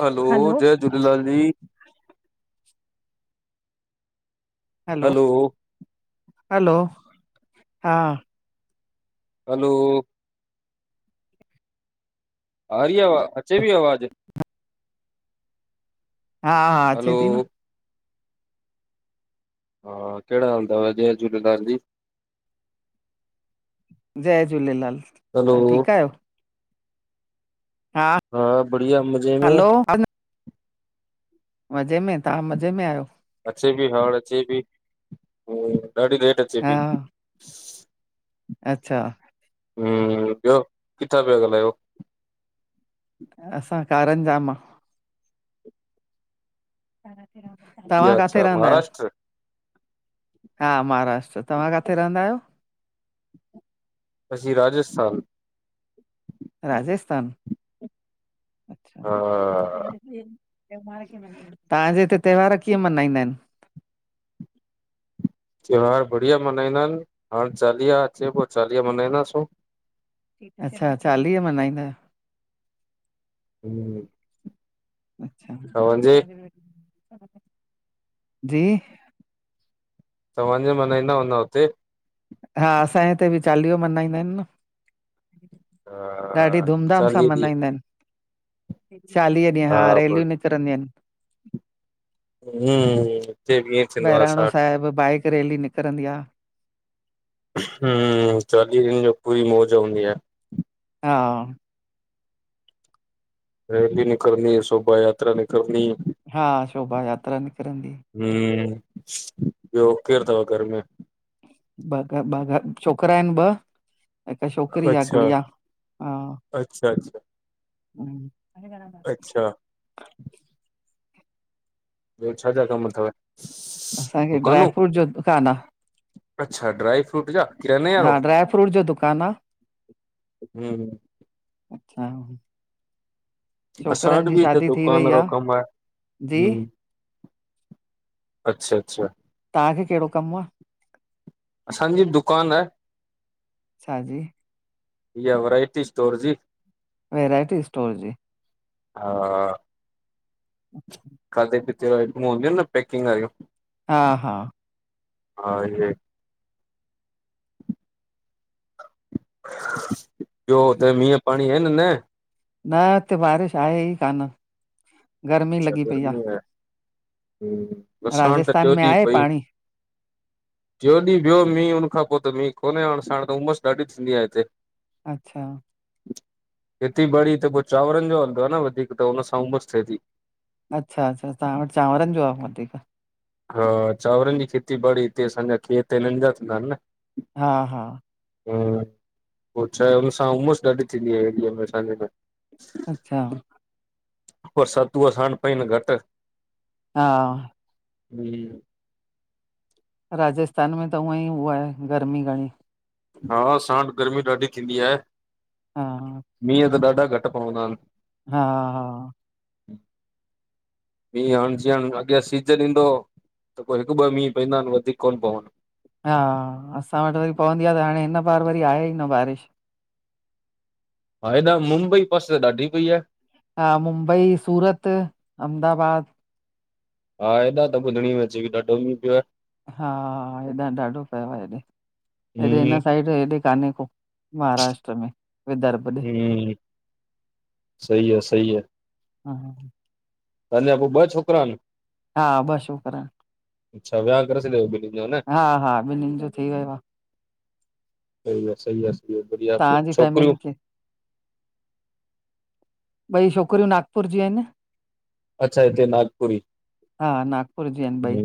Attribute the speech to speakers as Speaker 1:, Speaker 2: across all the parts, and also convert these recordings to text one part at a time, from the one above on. Speaker 1: हलो जय Jhulelal ji hello
Speaker 2: hello हां
Speaker 1: hello हां रीया वा अचे बी आवाज़ु
Speaker 2: हा अचे
Speaker 1: हलो
Speaker 2: थी
Speaker 1: हा कहिड़ा हाल थव जय झूलेलाल जी
Speaker 2: जय झूलेलाल
Speaker 1: हलो
Speaker 2: तहां ठीक आहियो हा
Speaker 1: हां बढ़िया मज़े में
Speaker 2: हलो मज़े में तहां मज़े में आहियो
Speaker 1: अचे पी हांणे अचे पी ऐ ॾाढी लेट अचे ती
Speaker 2: अछा
Speaker 1: हम्म ॿियो किथां पिया ॻाल्हायो
Speaker 2: असां कारनजा मां तव्हां
Speaker 1: इहा
Speaker 2: काथे
Speaker 1: अच्छा
Speaker 2: रहंदा आहियो
Speaker 1: महाराष्ट्र
Speaker 2: हां महाराष्ट्र तव्हां काथे रहंदा आहियो
Speaker 1: असी राजस्थान
Speaker 2: राजस्थान अछा
Speaker 1: हा
Speaker 2: तहांजे हिते त्योहार कीअं मल्हाईंदा आहिन
Speaker 1: त्योहार बढ़िया मल्हाईंदा आहिन हाणे चालीहा अचे पोइ चालीहा मल्हाईंदासूं
Speaker 2: अछा चालीह मल्हाईंदा आहियो
Speaker 1: हम्म। तव्हांजे
Speaker 2: जी
Speaker 1: तव्हांजे मनाइंदा हुंदा हुते?
Speaker 2: हा असांजे हिते बि चालीहो मन्हाईंदा हिनि न। ॾाढी
Speaker 1: हा
Speaker 2: धूमधाम सां
Speaker 1: चालीह
Speaker 2: मनाइंदा हिनि। चालीह ॾींहं, हा रेलियूं निकिरंदियूं आहिनि।
Speaker 1: हम्म, हिते बि ईंअं थींदो आ
Speaker 2: बहिराणो
Speaker 1: असां वटि।
Speaker 2: साहिब बाइक रेली निकिरंदी आ।
Speaker 1: हम्म, चालीह ॾींहनि जो पूरी मौज हुंदी आ।
Speaker 2: हा।
Speaker 1: रैली न निकरंदी, शोभा यात्रा निकरंदी।
Speaker 2: हा शोभा यात्रा निकिरंदी।
Speaker 1: हम्म, ॿियो केरु थव घर में?
Speaker 2: ॿ घ, ॿ घ, छोकिरा हिनि ॿ हिक छोकिरी आ
Speaker 1: अच्छा
Speaker 2: गुड़िया हा
Speaker 1: अच्छा अच्छा अच्छा। ॿियो, छा छा कमु अथव?
Speaker 2: असांखे ड्राई
Speaker 1: दुकानूं
Speaker 2: फ्रूट जो दुकानु आ।
Speaker 1: अच्छा ड्राई फ्रूट जा। किराने वारो
Speaker 2: हा ड्राय फ्रूट जो दुकान आ।
Speaker 1: हम्म
Speaker 2: अच्छा।
Speaker 1: असां
Speaker 2: छोकिरनि
Speaker 1: वटि
Speaker 2: जी
Speaker 1: बि हिते
Speaker 2: शादी थी
Speaker 1: दुकान
Speaker 2: वई आ
Speaker 1: वारो कमु आहे
Speaker 2: जी
Speaker 1: हम्म। अच्छा- अच्छा
Speaker 2: तहांखे कहिड़ो कमु आ?
Speaker 1: असांजी बि दुकानु आहे।
Speaker 2: छा जी
Speaker 1: इह्या वैरायटी स्टोर जी।
Speaker 2: वैरायटी स्टोर जी।
Speaker 1: हा।
Speaker 2: अच्छा।
Speaker 1: खाधे पीते वारी [unintelligible] हूंदियूं इनि न पैकिंग वारियूं।
Speaker 2: हा -हा।
Speaker 1: हा इह्ये। ॿियो, हुते मींहं पाणी आहिन न?
Speaker 2: न हिते बारिश आहेई कान्ह।
Speaker 1: अच्छा गर्मी आ, हम्म
Speaker 2: राजस्थान में आहे पांणी?
Speaker 1: ट्रियोंॾींहुं पियो मींहु, उन खां पो त मींहु कोन्हे, हांण सांण त उमसि ॾाढी थींदी आ हिते।
Speaker 2: अच्छा।
Speaker 1: खेती बाड़ी हिते पो चांवरनि जो हलदो आ न वधीक त हुन सां उमसि थिये ती।
Speaker 2: अच्छा- अच्छा, तव्हां वटि चांवरनि जो आ वधीक?
Speaker 1: हा चांवरनि जी खेती बाड़ी, हिते असांजा खेत हिननि जा थींदा हिनि न।
Speaker 2: हा -हा
Speaker 1: हम्म, पो छाहे हुन सां उमसि ॾाढी थींदी आ एरिया में असांजे लाए।
Speaker 2: अच्छा
Speaker 1: पर सतू अ सान पई न घटि [unintelligible]
Speaker 2: हा
Speaker 1: हम
Speaker 2: राजस्थान में त उवई उहा आहे गर्मी घणी
Speaker 1: हा असां वटि गर्मी ॾाढी थींदी आहे
Speaker 2: हा
Speaker 1: मींहं त ॾाढा घटि पवंदा आहिन
Speaker 2: हा हा
Speaker 1: महुं हाणे जीअं अॻियां सीजन ईंदो त को हिकु ॿ मीहं पवंदा आहिनि वधीक कोन्ह पवंदो
Speaker 2: हा असां वटि वरी पवंदी आहे त हाणे हिन बार वरी आहे ई न बारिश
Speaker 1: हा हेॾा मुंबई पासे त ॾाढी पई आहे
Speaker 2: हा मुंबई सूरत अहमदाबाद
Speaker 1: हा हेॾा त ॿुधणी में अचे तो ॾाढो मीहु पियो आहे
Speaker 2: हा हेॾा ॾाढो पियो आहे हेॾे हेॾे
Speaker 1: हम्म
Speaker 2: हिन साइड हेॾे कान्हे को महाराष्ट्र में विदर्भ ॾे
Speaker 1: हम सईी आहे सही आहे
Speaker 2: हा हा हा
Speaker 1: तव्हांजा पोइ ॿ छोकिरा आहिन
Speaker 2: हा ॿ छोकरा
Speaker 1: अच्छा विहाउ करे छॾुव ॿिनिन
Speaker 2: हा हा ॿिन्हिनि जो थी वियो आं
Speaker 1: सही आं सही आं ॿियो बढ़िया [inaudible]
Speaker 2: तव्हांजी
Speaker 1: छोकिरियूं
Speaker 2: फैमिली खे ॿई छोकिरियूं नागपुर जी आहिन
Speaker 1: अच्छा हिते नागपुरी
Speaker 2: हा नागपुर जी आहिनि ॿई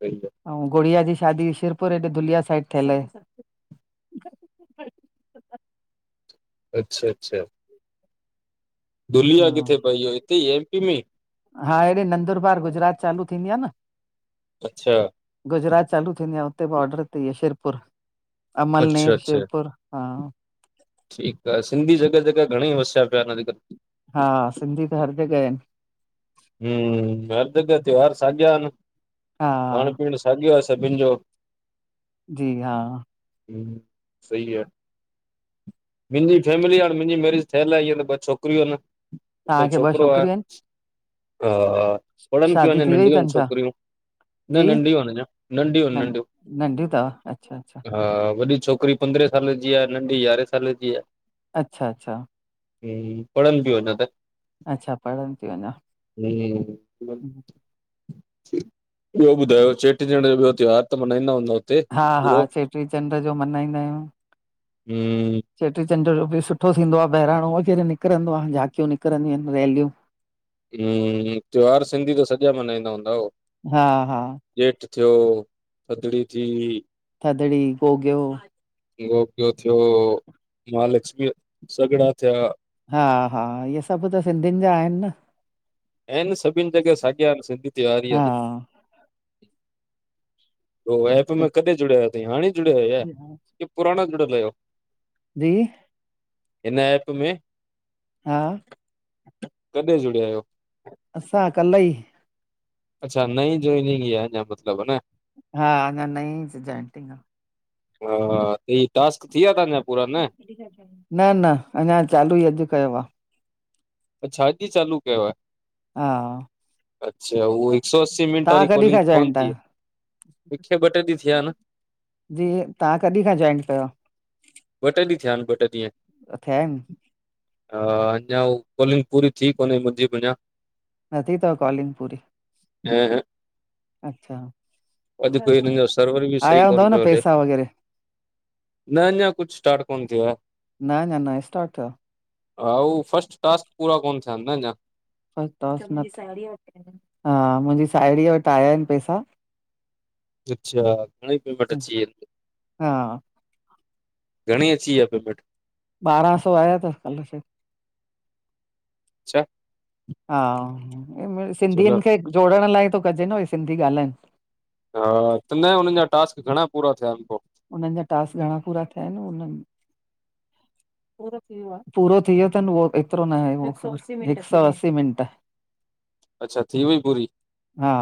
Speaker 1: सह [inaudible]
Speaker 2: ऐं गुड़िया जी शादी शिरपुर हेॾे धुलिया साइड थियल आहे
Speaker 1: अच्छा अच्छा धुलिया
Speaker 2: हा
Speaker 1: किथे पए इहो हिते ई एमपी में ही
Speaker 2: हा, हेडे नंदुरबार गुजरात चालू थींदी आहे न
Speaker 1: अच्छा।
Speaker 2: गुजरात चालू थींदी आहे उते बॉर्डर ते ई आ शिरपुर
Speaker 1: अच्छा
Speaker 2: अमलनेर
Speaker 1: अच्छा
Speaker 2: शिरपुर हा।
Speaker 1: ठीकु आहे, सिंधी जॻह जॻह घणेई वसिया पिया आहिनि अॼुकल।
Speaker 2: हा सिंधी त हर जॻह आहिन
Speaker 1: हम हर जॻह त्योहार साॻिया आहिन
Speaker 2: हा
Speaker 1: खाइण पीअण साॻियो आं सभिनि जो।
Speaker 2: जी हा।
Speaker 1: हम सही आं मुंहिंजी फैमिली आ मुंहिंजी मेरिज थियल आहे ईअं त ॿ छोकिरियूं आहिन।
Speaker 2: तव्हांखे ॿ छोकिरियूं आहिन?
Speaker 1: हा पढ़नि पियूं
Speaker 2: शादी
Speaker 1: अञा
Speaker 2: थी वई
Speaker 1: नंढियूं आहिन
Speaker 2: अथनि छा
Speaker 1: छोकिरियूं। न
Speaker 2: जी
Speaker 1: नंढिय न अञा नंढिय
Speaker 2: नं
Speaker 1: नंढियूं
Speaker 2: नंढियूं अथव अच्छा अच्छा
Speaker 1: हा वॾी छोकिरी पंद्रें साल जी आं नंढी यारहें साल जी आं
Speaker 2: अच्छा अच्छा।
Speaker 1: हम पढ़नि पीऊ अञा त।
Speaker 2: अच्छा पढ़नि तियू अञा।
Speaker 1: हम। ॿियो ॿुधायो, चेटीचड जो ॿियो त्योहार त मनाईंदा हूंदा हुते
Speaker 2: हा-हा,
Speaker 1: पूरो
Speaker 2: चेटीचंड जो मनाईंदा आयूं।
Speaker 1: हम्म
Speaker 2: चेटीचंड जो बि सुठो थींदो आ, बैराणो वग़ैरह निकिरंदो आ, झांकियूं निकरंदियूं ऐंन, रैलियूं
Speaker 1: ह्म्म्म्म, त्योहार सिंधी त सॼा मनाईंदा हूंदव?
Speaker 2: हा हा
Speaker 1: ॼेठ थियो, थदड़ी थी,
Speaker 2: थदड़ी, गोगियो।
Speaker 1: गोगियो थियो, महालछमीअ या सॻड़ा थिया।
Speaker 2: हा-हा, इहे सभु त सिंधियुनि जा आहिनि न?
Speaker 1: ऐंन सभिनि जॻह साॻिया सिंधी त्योहार ई आहिनि।
Speaker 2: हा।
Speaker 1: उ एप
Speaker 2: सु-
Speaker 1: में कॾहिं जुड़ायो आहियो? हाणे जुड़या आयो या, की पुराणा जुड़ियल अहियो?
Speaker 2: जी?
Speaker 1: हिन एप में?
Speaker 2: हा,
Speaker 1: कॾहिं जुड़िया आहियो
Speaker 2: असां कल्ह ई।
Speaker 1: अच्छा, नई जाॅइनिंग ई आ अञा मतिलब अन?
Speaker 2: हा, अञा नई जेंटिंग आ।
Speaker 1: वाह! वाह! तई! टास्क थी विया तांजा पूरा? न
Speaker 2: [unintelligible] न -न, अञा चालू ई अॼु कयो आ।
Speaker 1: अच्छा, अॼु ई चालू कैव?
Speaker 2: हा।
Speaker 1: अच्छा, उहो हिकु सौ असी मिंट
Speaker 2: तव्हां
Speaker 1: वारी
Speaker 2: कॾहिं
Speaker 1: कॉलिंग
Speaker 2: खां
Speaker 1: कोन
Speaker 2: जॉइंट
Speaker 1: थी?
Speaker 2: आहियो?
Speaker 1: मूंखे ॿ टे ॾींहं थीया अन।
Speaker 2: जी, तहां कॾहिं खां जॉइन कयो आ?
Speaker 1: ॿ टे ॾींहं थिया ऐंन ॿ टे ॾींहं।
Speaker 2: [unintelligible]
Speaker 1: हा, अञा हु कालिंग पूरी थी कोन्हे मुंहिंजी बि अञा।
Speaker 2: न थी थव कॉलिंग पूरी?
Speaker 1: न, ह।
Speaker 2: अच्छा,
Speaker 1: कोई हिननि जो सर्वर बि सही
Speaker 2: आया
Speaker 1: कोन
Speaker 2: हूंदव न
Speaker 1: पियो हले
Speaker 2: पैसा वग़ैरह?
Speaker 1: न अञा कुछ स्टार्ट कोन थियो आ।
Speaker 2: न अञा न स्टार्ट थियो,
Speaker 1: हा हु फस्ट टास्क पूरा कोन थिया अन न अञा।
Speaker 2: हा मुंहिंजी साहेड़ीअ वटि आया आहिनि पैसा।
Speaker 1: अच्छा, घणीं पेमेंट अची वे?
Speaker 2: हा
Speaker 1: घणी अची वियव पेमेंट?
Speaker 2: ॿारहां सौ आया अथव स्कॉलरशिप
Speaker 1: अच्छा,
Speaker 2: हा,
Speaker 1: चलो
Speaker 2: सिंधियुनि खे जोड़ण लाइ थो कजे न भई सिंधी ॻाल्हाइनि।
Speaker 1: हा, त न हुननि जा टास्क घणा पूरा थिया ऐंन पो?
Speaker 2: उननि जा टास्क घणा पूरा थिया अन? उननि [inaudible] पूरो थी वियो। पूरो थी वियो थनि उहो एतिरो न आहे, हिक सौ असीं मिंट।
Speaker 1: अच्छा थी वई पूरी?
Speaker 2: हा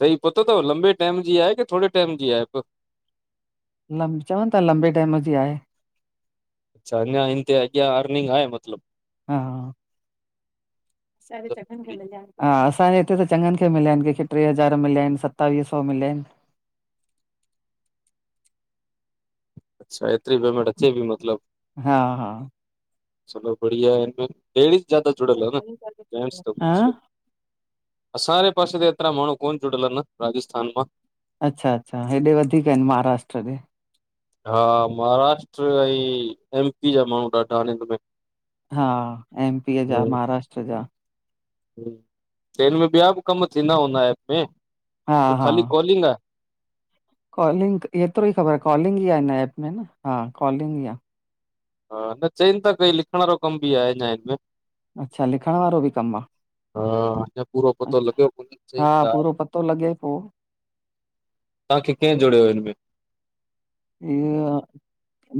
Speaker 1: त ही पतो थव लंबे टाइम जी आहे, की थोड़े टाइम जी आहे?
Speaker 2: लंब, चवनि था लंबे टाइम जी आहे।
Speaker 1: अच्छा, अञा हिन ते अॻियां अर्निंग आहे मतलबु?
Speaker 2: हा। सब
Speaker 1: चलो
Speaker 2: चकनि
Speaker 1: बढ़िया।
Speaker 2: खे हा असांजे हिते त चंॻन खे मिलिया आएन, केंखे ट्रे हज़ार मिल्या आएन, सतावीय सौ मिल्या आएन
Speaker 1: अच्छा, एतरी पेमेंट अचे पी मतलब
Speaker 2: हा हा
Speaker 1: चलो बढ़िया है फिर, लेडीज़ जदा जुड़यल आ न, जेन्ट्स त
Speaker 2: हा
Speaker 1: असां जे पासे ते एतरा माणूं कोन जुड़यल आएन, राजस्थान मां।
Speaker 2: अच्छा अच्छा, हेॾे वधीक एन महाराष्ट्र ॾे।
Speaker 1: हा महाराष्ट्र ऐं-एमपी जा माणूं ॾाढा अन हिन में।
Speaker 2: हा एमपीअ जा,
Speaker 1: हम्म
Speaker 2: महाराष्ट्र जा
Speaker 1: त हिन में ॿ्या बि कम थींदा हूंदा एप में,
Speaker 2: हा
Speaker 1: कि
Speaker 2: हा
Speaker 1: ख़ाली कॉलिंग आ?
Speaker 2: कॉलिंग, एतरो ही ख़बर आ कॉलिंग ही आ हिन एप में न, हा कॉलिंग ही आ।
Speaker 1: हा, त चइन ता कई लिखण वारो कम बि आए हिन ऐप में।
Speaker 2: अच्छा, लिखण वारो बि कम आ?
Speaker 1: हा, अञां पूरो पतो लॻयो कोने, चइन
Speaker 2: हा
Speaker 1: ता।
Speaker 2: पूरो पतो लॻे पो
Speaker 1: तांखे कें जोड़्यो हिन में?
Speaker 2: इअं,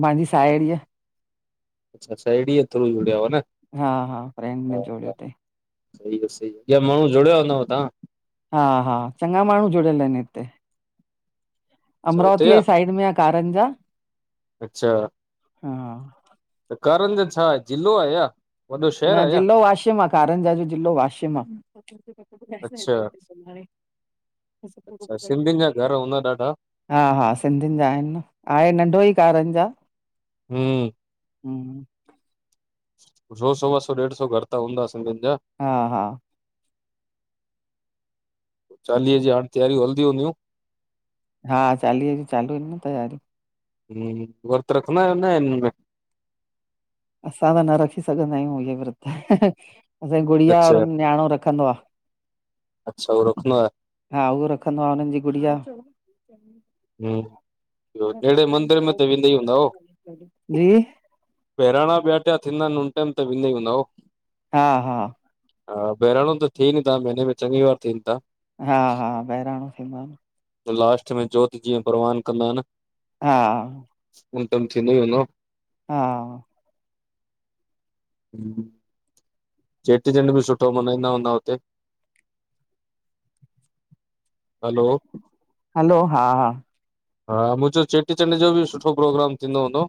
Speaker 2: मांजी सायड़ीअ।
Speaker 1: अच्छा, सायड़ी जे थ्रू जुड़्याओ न।
Speaker 2: हा हा, फ्रेंड ने
Speaker 1: हा
Speaker 2: जोड़्यो तईं।
Speaker 1: सही आ सही आ, ॿ्या माणूं जोड़िया हूंदव तां?
Speaker 2: हा हा चंङा माणूं जुड़यल अएन हिते,
Speaker 1: अच्छा हुते
Speaker 2: अमरावती
Speaker 1: आ
Speaker 2: जी साइड में कारंजा।
Speaker 1: अच्छा
Speaker 2: हा।
Speaker 1: त, कारंजा छा आए, जिलो आ छा?
Speaker 2: न जिलो वाशिम आ, कारंजा जो जिलो वाशिम आ।
Speaker 1: अच्छा
Speaker 2: [unintelligible]
Speaker 1: अच्छा, सिंधिन जा घर हुंदा ॾाढा?
Speaker 2: हा हा, सिंधिन जा आएन न, आए नंढो ई कारंजा।
Speaker 1: हम्
Speaker 2: हम्
Speaker 1: सौ, सवा सौ, ॾेढ सौ घर त हूंदा सिंधिन जा?
Speaker 2: हा हा
Speaker 1: चालीये जी, हाण तैयारियूं हलदी हूंदियूं?
Speaker 2: हा, चालीये जी चालू ईन न तैयारियूं।
Speaker 1: हम्, वर्त रखंदा आयो न हिनन में?
Speaker 2: असां त न रखी सघंदायूं इये विर्त। असांजी गुड़िया और
Speaker 1: अच्छा
Speaker 2: न्याणो रखंदो आ।
Speaker 1: अच्छा उहो रखंदो आहे
Speaker 2: हा उओ रखंदो आ, उनन जी गुड़िया
Speaker 1: हम्म जहिड़े मंदर में त वेंदा ई हूंदा हो
Speaker 2: जी
Speaker 1: बहिराणा, ॿ्या ट्या थींदा अन, उन टाइम त वेंदा ई हूंदव?
Speaker 2: हा हा
Speaker 1: हा, बहिराणां त थिएनि था, महीेने में चंङी बार थियनिथा।
Speaker 2: हा हा, बहिराणो थींदो आ।
Speaker 1: त लास्ट में जोत, जीअं परवान कंदा अन
Speaker 2: हा।
Speaker 1: उन टाइम, थींदो ई हुंदो।
Speaker 2: हां,
Speaker 1: [inaudible] चेटीचंड बि सुठो मल्हाईंदा हूंदा हुते। हलो,
Speaker 2: हलो, हां।
Speaker 1: हां। मुंहिंजो, चेटी चंड जो बि सुठो प्रोग्राम थींदो हूंदो।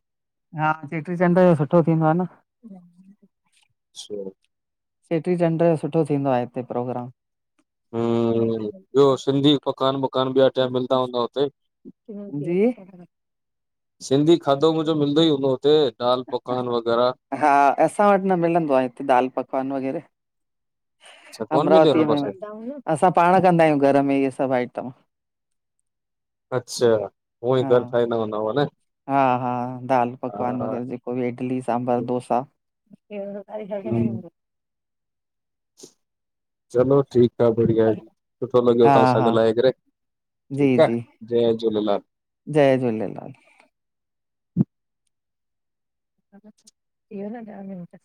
Speaker 2: हां, चेटीचंड जो सुठो थींदो आहे न। ह [inaudible]
Speaker 1: अच्छा!
Speaker 2: चेटीचंड जो सुठो थींदो आहे। हिते प्रोग्राम।
Speaker 1: ॿियो सिंधी पकान-वकान बिॿ टम मिलंदा हूंदा हुते?
Speaker 2: जी!
Speaker 1: सिंधी खाधो, मुंहिंजो मिलंदो ई हूंदो हुते दाल पकवान वग़ैरह।
Speaker 2: हां, असां वटि न मिलंदो आहे, हिते दाल पकवान वग़ैरह।
Speaker 1: अच्छा कोन मिले हुन
Speaker 2: अमरावतीअ
Speaker 1: पासे
Speaker 2: में। असां पाण कंदा आहियूं। घर में इहे सभ आइटम।
Speaker 1: अच्छा! ई घर
Speaker 2: हां,
Speaker 1: ठाहींदा हूंदव न
Speaker 2: हां-हां। दाल पकवान
Speaker 1: हा
Speaker 2: वग़ैर जे को इडली सांबर डोसा।
Speaker 1: हम्म। चलो ठीकु सभ बढ़िया आहे। सुठो लॻे
Speaker 2: हा
Speaker 1: तव्हां सां
Speaker 2: हा
Speaker 1: ॻाल्हाए करे।
Speaker 2: जी
Speaker 1: ठीकु आहे।
Speaker 2: जी
Speaker 1: जय झूलेलाल!
Speaker 2: जय झूलेलाल। थीियो न [inaudible]